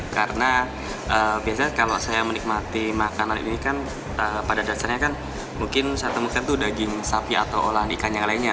karena biasanya kalau saya menikmati makanan ini kan pada dasarnya kan mungkin saya temukan itu daging sapi atau olahan ikan yang lainnya